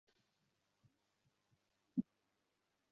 কত আজেবাজে কথা আছে, সীমা নেই তার।